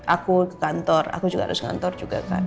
aku ke kantor aku juga harus ngantor juga kan